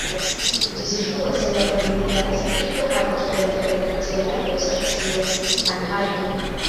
Ĝi situas en la politika distrikto Harco de la federacia lando Saksio-Anhalto.